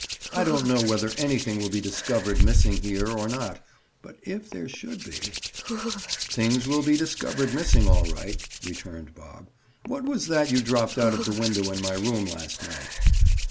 "I don't know whether anything will be discovered missing here or not, but if there should be—?" "Things will be discovered missing, all right," returned Bob. "What was that you dropped out of the window in my room last night?"